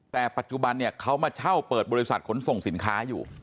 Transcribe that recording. แต่ปัจจุบันเนี่ยเขามาเช่าเปิดบริษัทขนส่งสินค้าอยู่